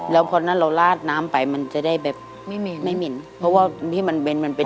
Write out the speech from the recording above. แล้วพอนั้นเราลาดน้ำไปมันจะได้แบบไม่เหม็นไม่เหม็นเพราะว่าที่มันเบนมันเป็น